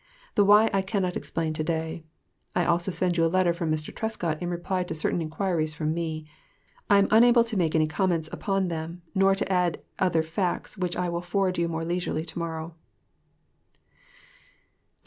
The why I cannot explain to day.... I also send you a letter from Mr. Trescott, in reply to certain inquiries from me. I am unable to make any comments upon them nor to add other facts which I will forward you more leisurely to morrow....